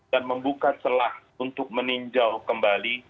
dan membuka celah untuk meninjau kembali